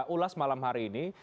ulas malam hari ini